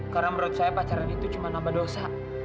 karena menurut saya pacaran itu cuma nama dosa